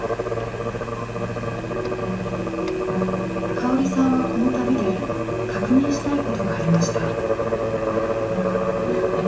かおりさんはこの旅で確認したいことがありました。